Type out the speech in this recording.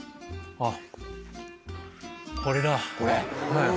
あっ。